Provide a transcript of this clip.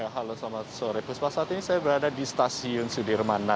halo selamat sore puspa saat ini saya berada di stasiun sudirman